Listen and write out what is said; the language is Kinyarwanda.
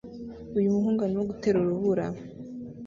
Uyu muhungu arimo gutera urubura